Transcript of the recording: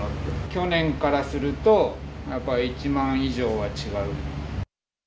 去年からすると、やっぱり１万以上は違う。